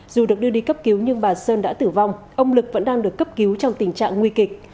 dù được đưa đi cấp cứu nhưng bà sơn đã tử vong ông lực vẫn đang được cấp cứu trong tình trạng nguy kịch